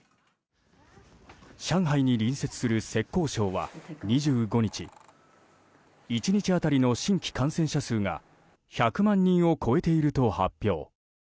上海に隣接する浙江省は２５日１日当たりの新規感染者数が１００万人を超えていると発表。